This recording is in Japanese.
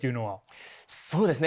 そうですね。